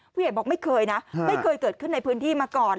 ผู้ใหญ่บอกไม่เคยนะไม่เคยเกิดขึ้นในพื้นที่มาก่อน